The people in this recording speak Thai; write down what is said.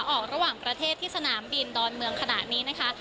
ออกระหว่างประเทศที่สนามบินดอนเมืองขณะนี้นะคะ